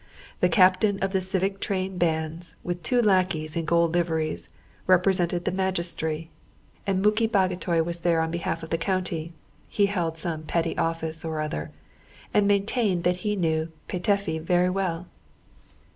The captain of the civic train bands, with two lackeys in gold liveries; represented the magistracy; and Muki Bagotay was there on behalf of the county (he held some petty office or other), and maintained that he knew Petöfi very well.